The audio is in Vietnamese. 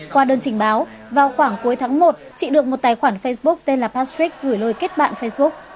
qua đơn trình báo vào khoảng cuối tháng một chị được một tài khoản facebook tên là pastrick gửi lời kết bạn facebook